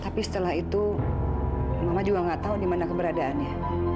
tapi setelah itu mama juga nggak tahu di mana keberadaannya